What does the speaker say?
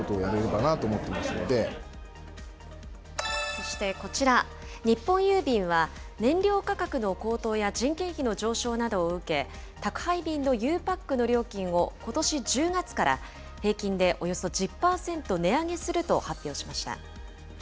そしてこちら、日本郵便は燃料価格の高騰や人件費の上昇などを受け、宅配便のゆうパックの料金をことし１０月から平均でおよそ１０％値上げすると発表しました。